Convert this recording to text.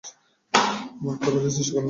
আমার কথা বোঝার চেষ্টা করেন ভাই।